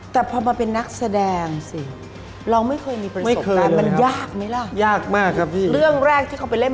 ชอบรวนราม